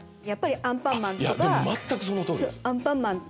やっぱり『アンパンマン』とか。